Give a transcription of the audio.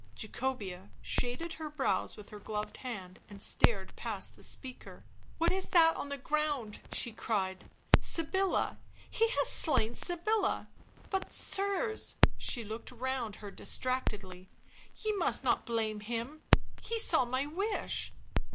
Jacobea shaded her brows with her gloved hand and stared past the speaker. " What is that on the ground?" she cried. " Sybilla — he has slain Sybilla — but, sirs," — she looked round her distractedly — u ye must not blame him — he saw my wish.